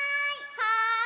はい。